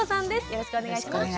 よろしくお願いします。